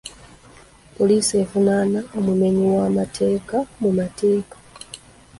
Poliisi evunaana omumenyi w'amateeka mu mateeka.